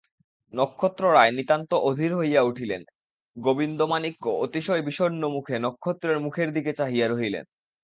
নক্ষত্ররায় নিতান্ত অধীর হইয়া উঠিলেন, গোবিন্দমাণিক্য অতিশয় বিষণ্নমুখে নক্ষত্রের মুখের দিকে চাহিয়া রহিলেন।